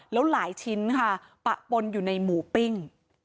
แล้วหลายชิ้นค่ะปะปนอยู่ในหมูปิ้ง